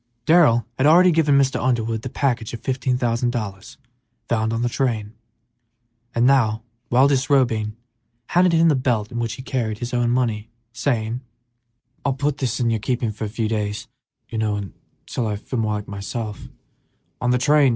Darrell had already given Mr. Underwood the package of fifteen thousand dollars found on the train, and now, while disrobing, handed him the belt in which he carried his own money, saying, "I'll put this in your keeping for a few days, till I feel more like myself.